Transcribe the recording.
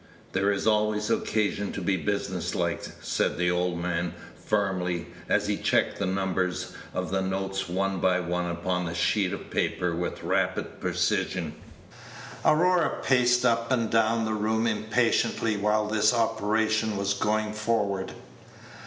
"There is always occasion to be business like," said the old man, firmly, as he checked the numbers of the notes one by one upon a sheet of paper with rapid precision. Aurora paced up and down the room impatiently while this operation was going forward.